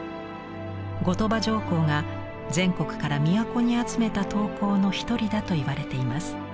後鳥羽上皇が全国から都に集めた刀工の一人だといわれています。